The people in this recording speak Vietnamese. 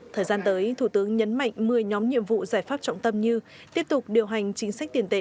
thời gian tới thủ tướng nhấn mạnh một mươi nhóm nhiệm vụ giải pháp trọng tâm như tiếp tục điều hành chính sách tiền tệ